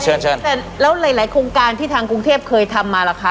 เชิญแล้วหลายหลายโครงการที่ทางกรุงเทพเกิดามมาละคะ